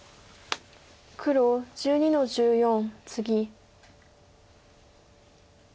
黒１２の十四ツギ。